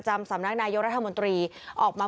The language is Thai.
และความสุขของคุณค่ะ